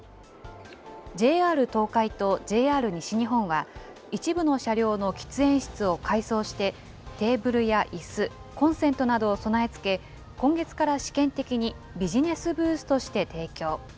ＪＲ東海とＪＲ西日本は、一部の車両の喫煙室を改装して、テーブルやいす、コンセントなどを備え付け、今月から試験的に、ビジネスブースとして提供。